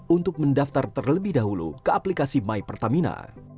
untuk mendaftar terlebih dahulu ke aplikasi my pertamina